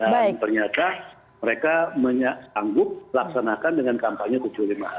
dan ternyata mereka menyanggup laksanakan dengan kampanye tujuh puluh lima hari